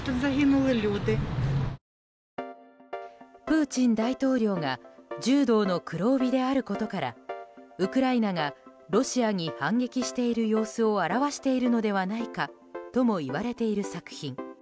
プーチン大統領が柔道の黒帯であることからウクライナがロシアに反撃している様子を表しているのではないかともいわれている作品。